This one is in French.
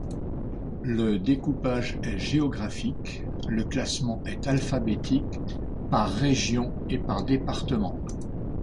Le découpage est géographique, le classement est alphabétique, par région et par département.